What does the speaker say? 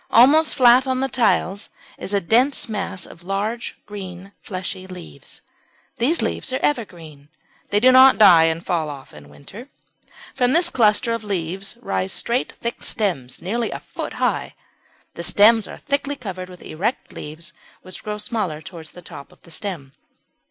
Almost flat on the tiles is a dense mass of large green fleshy leaves. These leaves are evergreen, they do not die and fall off in winter. From this cluster of leaves rise straight thick stems nearly a foot high. The stems are thickly covered with erect leaves which grow smaller towards the top of the stem.